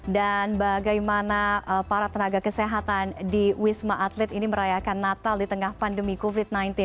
dan bagaimana para tenaga kesehatan di wisma atlet ini merayakan natal di tengah pandemi covid sembilan belas